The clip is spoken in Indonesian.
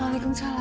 bakggq ju paula